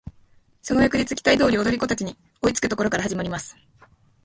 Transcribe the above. その翌日期待通り踊り子達に追いつく処から始まります。